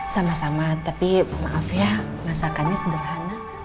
sama sama tapi maaf ya masakannya sederhana